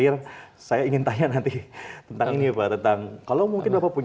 untuk minta penghargaan